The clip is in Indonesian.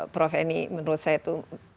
prof eni menurut saya itu